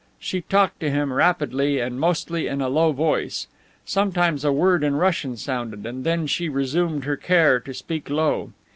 She talked to him rapidly and mostly in a low voice. Sometimes a word in Russian sounded, and then she resumed her care to speak low.